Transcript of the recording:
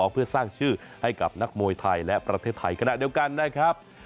เพื่อสร้างชื่อให้กับนักมวยไทยและประเทศไทยขณะเดียวกันนะครับ